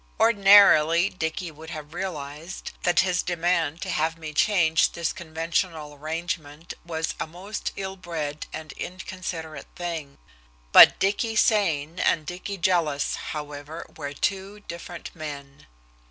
Ordinarily, Dicky would have realized that his demand to have me change this conventional arrangement was a most ill bred and inconsiderate thing. But Dicky sane and Dicky jealous, however, were two different men.